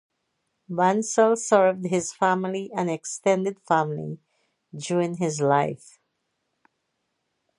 Bansal served his family and extended family during his life.